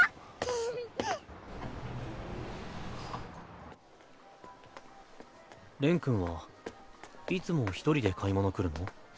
ウィーンれん君はいつも一人で買い物来るの？